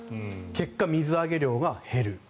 結果、水揚げ量が減る。